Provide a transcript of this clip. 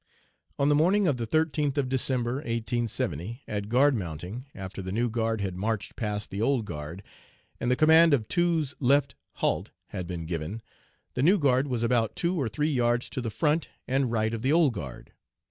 On the morning of the 13th of December, 1870, at guard mounting, after the new guard had marched past the old guard, and the command of "Twos left, halt!" had been given, the new guard was about two or three yards to the front and right of the old guard.